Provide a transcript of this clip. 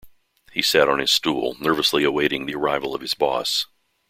He sat on his stool nervously awaiting the arrival of his boss.